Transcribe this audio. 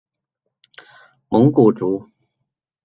蒙古族。